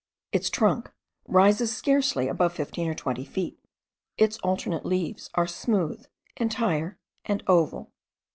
Its trunk rises scarcely above fifteen or twenty feet. Its alternate leaves are smooth, entire, and oval.